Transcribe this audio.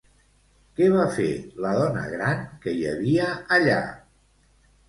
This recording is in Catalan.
Què va fer la dona gran que hi havia allà?